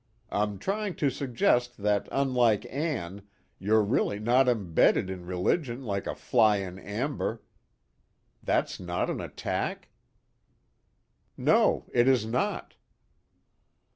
I'm trying to suggest that unlike Ann, you're really not embedded in religion like a fly in amber.' That's not an attack?" "No, it is not."